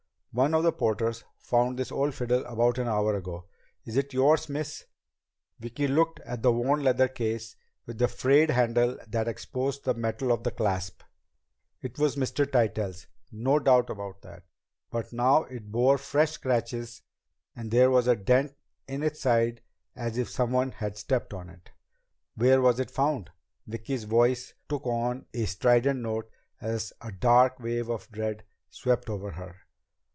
"One of the porters found this old fiddle about an hour ago. Is it yours, miss?" Vicki looked at the worn leather case, with the frayed handle that exposed the metal of the clasp. It was Mr. Tytell's, no doubt of that. But now it bore fresh scratches and there was a dent in the side as if someone had stepped on it. "Where was it found?" Vicki's voice took on a strident note as a dark wave of dread swept over her.